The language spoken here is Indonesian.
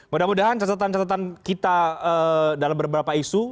mudah mudahan catatan catatan kita dalam beberapa isu